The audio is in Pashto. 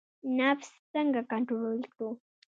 نفس څنګه کنټرول کړو؟